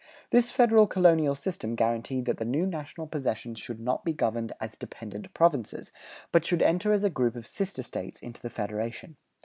This federal colonial system guaranteed that the new national possessions should not be governed as dependent provinces, but should enter as a group of sister States into the federation.